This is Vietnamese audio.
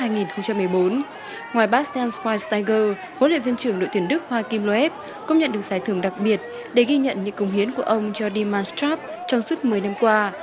ngoài bastian schweinsteiger vua lệ viên trưởng đội tuyển đức hoa kim loeb cũng nhận được giải thưởng đặc biệt để ghi nhận những cung hiến của ông cho dimantstrap trong suốt một mươi năm qua